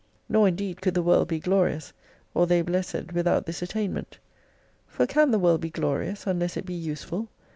Nor indeed could the world be glorious, or they blessed without this attainment. For can the world be glorious unless it be useful